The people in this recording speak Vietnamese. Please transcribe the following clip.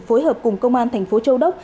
phối hợp cùng công an tp châu đốc